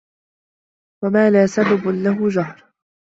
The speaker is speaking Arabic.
وَمَا لَا سَبَبَ لَهُ هَجْرٌ